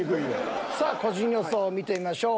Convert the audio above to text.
さあ個人予想を見てみましょう。